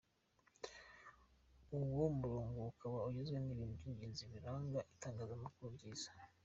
Uwo murongo ukaba ugizwe n’ibintu by’ingenzi biranga Itangazamakuru ryiza :.